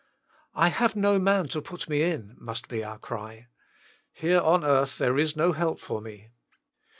" I have no man to put me in," must be our cry. ITere on earth there is no help for me.